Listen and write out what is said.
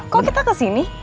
kok kita kesini